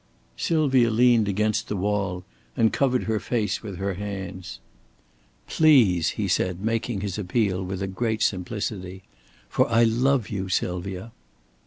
Sylvia leaned against the wall and covered her face with her hands. "Please!" he said, making his appeal with a great simplicity. "For I love you, Sylvia."